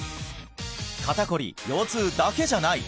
肩こり腰痛だけじゃない！